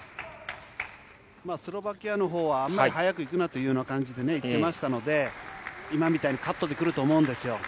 スロバキアのほうは、あんまり早くいくなというような感じで言ってましたので、今みたいにカットで来ると思うんですよ。